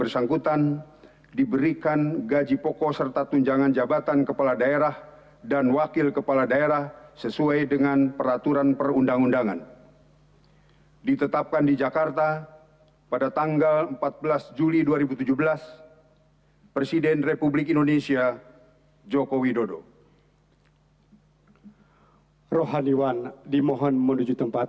saudara saudara apakah saudara saudara beragama islam